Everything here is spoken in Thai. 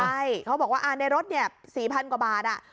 ใช่เขาบอกว่าอ่านในรถ๔๐๐๐กว่าบาทอ่ะ